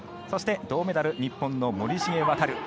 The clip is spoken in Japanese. そして、銅メダル日本の森重航。